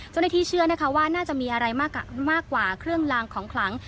เจ้าหน้าที่เชื่อนะคะว่าน่าจะมีอะไรมากกว่าเครื่องลางของขลัง